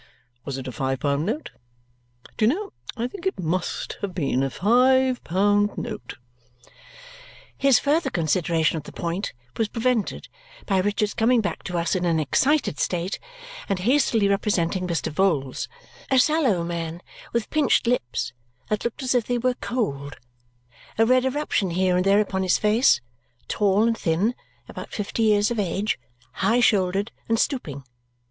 Was it a five pound note? Do you know, I think it MUST have been a five pound note!" His further consideration of the point was prevented by Richard's coming back to us in an excited state and hastily representing Mr. Vholes a sallow man with pinched lips that looked as if they were cold, a red eruption here and there upon his face, tall and thin, about fifty years of age, high shouldered, and stooping.